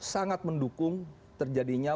sangat mendukung terjadinya